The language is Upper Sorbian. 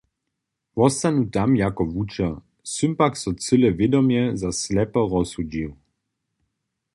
Wostanu tam jako wučer, sym pak so cyle wědomje za Slepo rozsudźił.